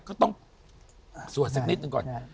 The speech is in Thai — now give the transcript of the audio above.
ก็ต้องสวดสักนิดหนึ่งก่อน